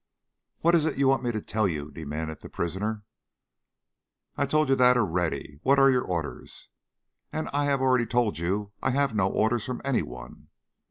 "What is it you want me to tell you?" demanded the prisoner. "I've told you that already. What are your orders?" "And I have already told you, I have no orders from any one."